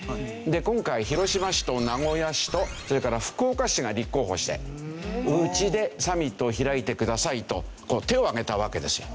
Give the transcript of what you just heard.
今回広島市と名古屋市とそれから福岡市が立候補して「うちでサミットを開いてください」と手を挙げたわけですよ。